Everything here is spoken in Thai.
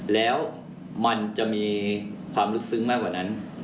แล้วมันจะมีความลึกซึ้งมากกว่านั้น